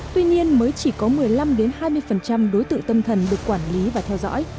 tuy nhiên mới chỉ có một mươi năm hai mươi đối tượng tâm thần được quản lý và theo dõi